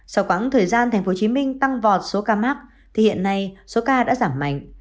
sau quãng thời gian tp hcm tăng vọt số ca mắc thì hiện nay số ca đã giảm mạnh